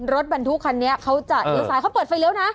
รถแบนทุกคันนี้เขาจะเปิดทะเล็วนะ